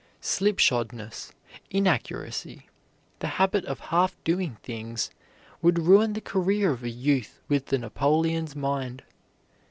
Slipshodness, inaccuracy, the habit of half doing things, would ruin the career of a youth with a Napoleon's mind.